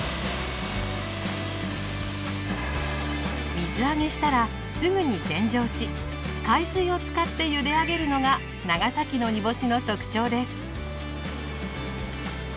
水揚げしたらすぐに洗浄し海水を使ってゆで上げるのが長崎の煮干しの特徴です。